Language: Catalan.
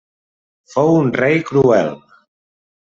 Fou un rei cruel.